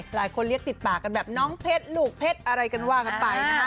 หลายคนเรียกติดปากกันแบบน้องเพชรลูกเพชรอะไรกันว่ากันไปนะคะ